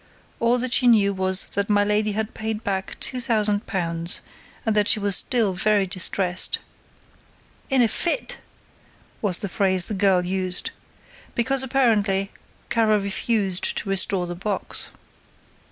All that she knew was that my lady had paid back two thousand pounds and that she was still very distressed ("in a fit" was the phrase the girl used), because apparently Kara refused to restore the box.